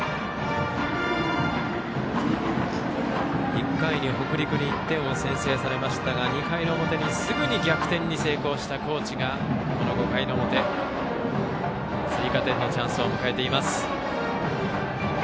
１回に北陸に１点を先制されましたが２回表、すぐに逆転に成功した高知がこの５回の表、追加点のチャンス。